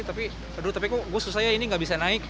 tapi aduh tapi kok gue susah ya ini gak bisa naik